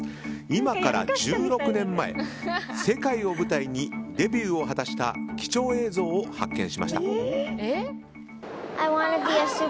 今から１６年前、世界を舞台にデビューを果たした貴重映像を発見しました。